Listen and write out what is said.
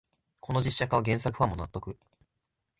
この実写化は原作ファンも納得